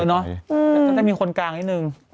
เสร็จมีคนกลางอีกหนึ่ง